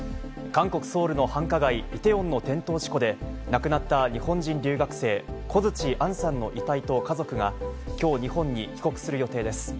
韓国・ソウルの繁華街イテウォンの転倒事故で、亡くなった日本人留学生・小槌杏さんの遺体と家族が今日、日本に帰国する予定です。